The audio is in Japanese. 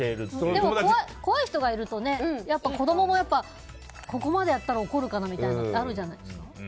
でも、怖い人がいるとやっぱり子供もここまでやったら怒るかなみたいなのってあるじゃないですか。